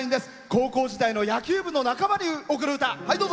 高校時代の野球部の仲間に贈る歌。